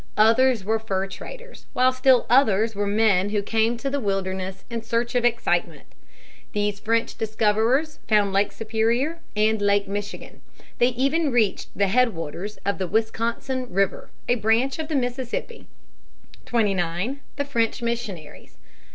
Others were fur traders, while still others were men who came to the wilderness in search of excitement. These French discoverers found Lake Superior and Lake Michigan; they even reached the headwaters of the Wisconsin River a branch of the Mississippi. [Sidenote: The Jesuits and their work.] 29. The French Missionaries.